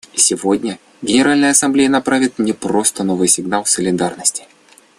Сегодня Генеральная Ассамблея направит не просто новый сигнал солидарности.